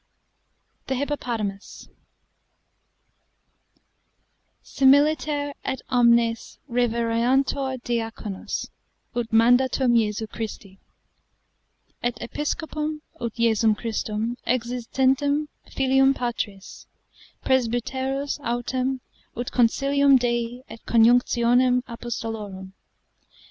8. The Hippopotamus Similiter et omnes revereantur Diaconos, ut mandatum Jesu Christi; et Episcopum, ut Jesum Christum, existentem filium Patris; Presbyteros autem, ut concilium Dei et conjunctionem Apostolorum.